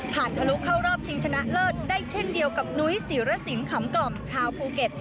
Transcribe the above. ทะลุเข้ารอบชิงชนะเลิศได้เช่นเดียวกับนุ้ยศิรสินขำกล่อมชาวภูเก็ต